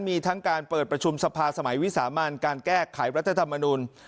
มีทั้งการเปิดประชุมสภาสมัยวิสามันการแก้ไขรัฐธรรมนุน